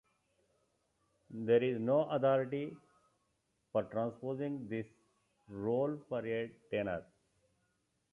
There is no authority for transposing this role for a tenor.